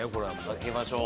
開けましょう。